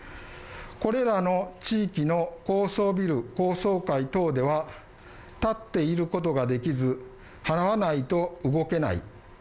これらの地域の高層ビル高層階等では、立っていることができず、はわないと動けない。